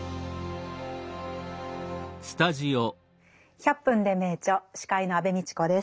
「１００分ｄｅ名著」司会の安部みちこです。